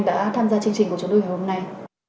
đã tham gia chương trình của chúng tôi ngày hôm nay